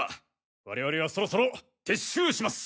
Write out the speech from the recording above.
我々はそろそろ撤収します。